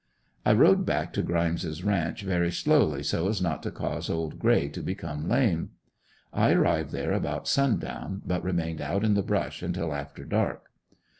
I rode back to Grimes' ranch very slowly so as not to cause old gray to become lame. I arrived there about sundown, but remained out in the brush until after dark.